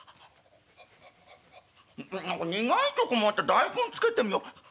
「苦いとこもあって大根つけてみよう。